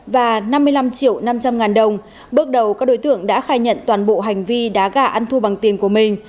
và năm mươi năm triệu năm trăm linh ngàn đồng bước đầu các đối tượng đã khai nhận toàn bộ hành vi đá gà ăn thua bằng tiền của mình